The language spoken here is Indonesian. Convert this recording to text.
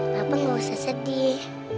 papa gak usah sedih